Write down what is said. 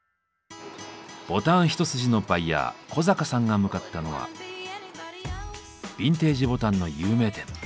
ボタン一筋のバイヤー小坂さんが向かったのはビンテージボタンの有名店。